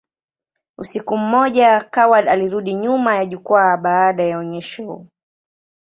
Usiku mmoja, Coward alirudi nyuma ya jukwaa baada ya onyesho.